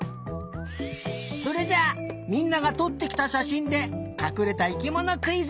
それじゃあみんながとってきたしゃしんでかくれた生きものクイズ！